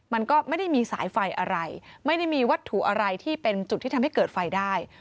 มันก็ไม่ได้มีสายไฟอะไรไม่ได้มีวัตถุอะไรที่เป็นจุดที่ทำให้เกิดไฟได้